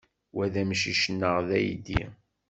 Wa d amcic neɣ d aydi?